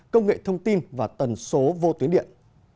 công nghệ thông tin và tần số vô tuyến điện